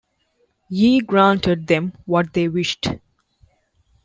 Yhi granted them what they wished.